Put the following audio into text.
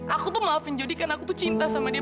aku tuh maafin jadi kan aku tuh cinta sama dia